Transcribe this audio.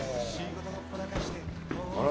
あら。